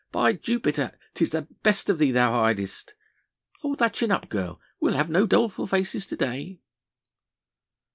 By Jupiter 'tis the best of thee thou hidest.... Hold thy chin up girl, we'll have no doleful faces to day."